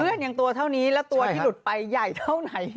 ยังตัวเท่านี้แล้วตัวที่หลุดไปใหญ่เท่าไหน